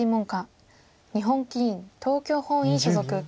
日本棋院東京本院所属。